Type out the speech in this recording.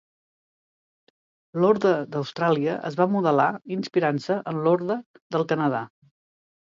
L'Orde d'Austràlia es va modelar inspirant-se en l'Orde del Canadà.